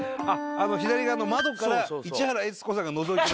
あの左側の窓から。